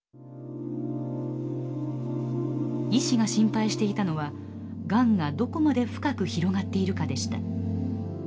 医師が心配していたのはがんがどこまで深く広がっているかでした。